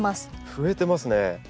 増えてますね！